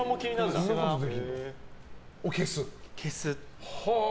消す。